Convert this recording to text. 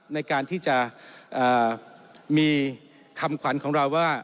ในการที่จะมีคำขวัญของเราว่า